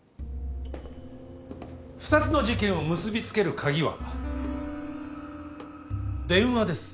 ２つの事件を結び付ける鍵は電話です。